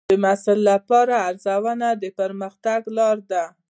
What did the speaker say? د محصل لپاره ارزونه د پرمختګ لار ده.